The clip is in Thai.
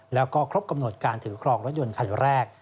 แล้วก็ครบกำหนดการถือครองรถยนต์คันแรก